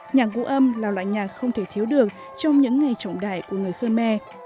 nhạc vũ âm là loại nhạc không thể thiếu được trong những ngày trọng đại của người khơ me